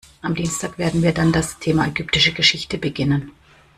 Am Dienstag werden wir dann das Thema ägyptische Geschichte beginnen.